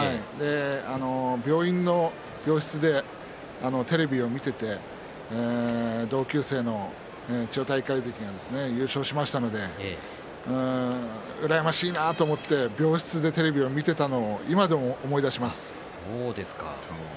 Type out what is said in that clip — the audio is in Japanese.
病院の病室でテレビを見ていて同級生の千代大海関が優勝しましたので羨ましいなと思って病室でテレビを見ていたのを今でも思い出します。